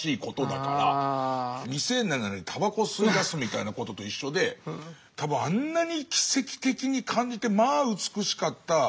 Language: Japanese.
未成年なのにたばこを吸いだすみたいなことと一緒で多分あんなに奇蹟的に感じてまあ美しかった